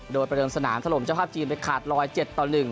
โดยประเดิมสนามถล่มเจ้าภาพจีนไปขาดรอย๗ต่อ๑